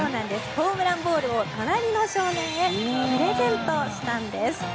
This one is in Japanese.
ホームランボールを隣の少年へプレゼントしたんです。